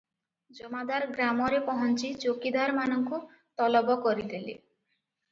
ଜମାଦାର ଗ୍ରାମରେ ପହଞ୍ଚି ଚୌକିଦାରମାନଙ୍କୁ ତଲବ କରି ଦେଲେ ।